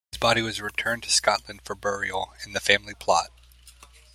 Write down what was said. His body was returned to Scotland for burial in the family plot.